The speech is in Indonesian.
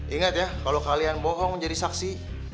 ingat ya kalau kalian bohong menjadi saksi